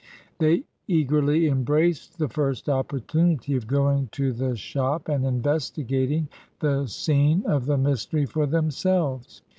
They eagerly embraced the first opportunity of going to the shop, and investigating the scene of the mystery for themselves.